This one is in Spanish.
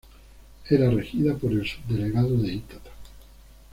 Era regida por el Subdelegado de Itata.